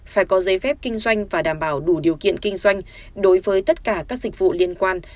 phải có giấy phép kinh doanh và đảm bảo đủ điều kiện kinh doanh đối với tất cả các dịch vụ liên quan